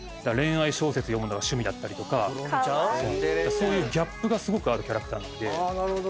そういうギャップがすごくあるキャラクターなんで。